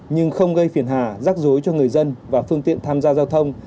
nhưng không gây phiền hà rắc rối cho người dân và phương tiện tham gia giao thông